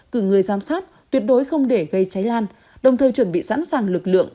cử người giám sát tuyệt đối không để gây cháy lan đồng thời chuẩn bị sẵn sàng lực lượng